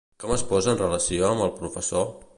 Com es posa en relació amb el professor?